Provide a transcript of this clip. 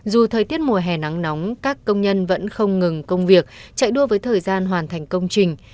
dù thời tiết mùa hè nắng nóng các công nhân vẫn không ngừng công việc chạy đua với thời gian hoàn thành công trình